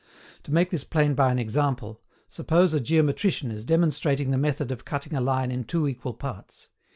To make this plain by an example, suppose a geometrician is demonstrating the method of cutting a line in two equal parts.